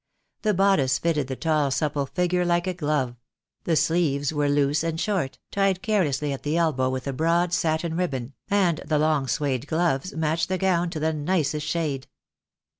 The bodice fitted the tall supple figure like a glove; the sleeves were 58 THE DAY WILL COME. loose and short, tied carelessly at the elbow with a broad satin ribbon, and the long suede gloves matched the gown to the nicest shade.